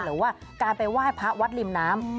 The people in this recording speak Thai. หรือว่าการไปไหว้พระวัดริมน้ำ